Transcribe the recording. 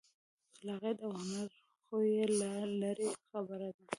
خلاقیت او هنر خو یې لا لرې خبره ده.